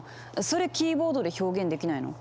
それキーボードで表現できないの？